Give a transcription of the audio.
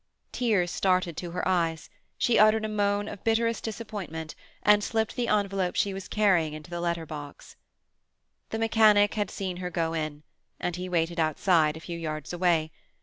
Tears started to her eyes; she uttered a moan of bitterest disappointment, and slipped the envelope she was carrying into the letter box. The mechanic had seen her go in, and he waited outside, a few yards away.